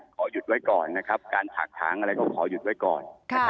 ขอหยุดไว้ก่อนนะครับการฉากถางอะไรก็ขอหยุดไว้ก่อน